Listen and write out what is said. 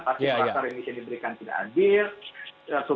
pasti pak nasar yang bisa diberikan tidak adil